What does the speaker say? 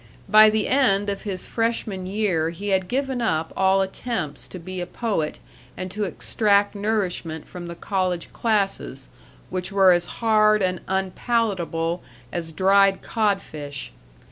By the end of his Freshman year he had given up all attempts to be a poet and to extract nourishment from the college classes, which were as hard and unpalatable as dried codfish.